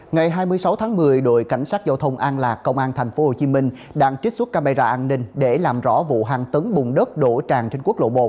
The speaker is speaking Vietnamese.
ngày hai mươi sáu tháng một mươi đội cảnh sát giao thông an lạc công an tp hcm đang trích xuất camera an ninh để làm rõ vụ hàng tấn bùn đất đổ tràn trên quốc lộ một